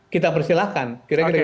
kita persilahkan kira kira